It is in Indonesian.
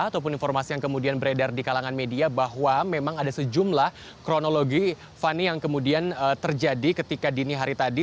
ataupun informasi yang kemudian beredar di kalangan media bahwa memang ada sejumlah kronologi fani yang kemudian terjadi ketika dini hari tadi